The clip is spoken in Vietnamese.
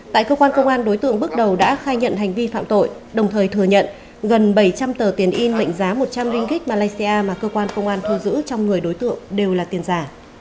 tại cơ quan công an đối tượng bước đầu đã khai nhận hành vi phạm tội đồng thời thừa nhận gần bảy trăm linh tờ tiền in mệnh giá một trăm linh ringgic malaysia mà cơ quan công an thu giữ trong người đối tượng đều là tiền giả